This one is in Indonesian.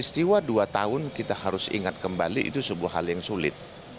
peristiwa dua tahun kita harus ingat kembali itu sebuah hal yang sulit